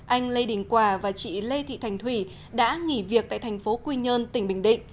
anh lê đình quà và chị lê thị thành thủy đã nghỉ việc tại thành phố quy nhơn tỉnh bình định